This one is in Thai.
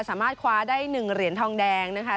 สามารถคว้าได้๑เหรียญทองแดงนะคะ